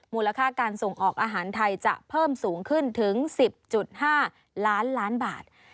มูลค่าการส่งออกอาหารไทยจะเพิ่มสูงขึ้นถึง๑๐๕ล้านล้านบาท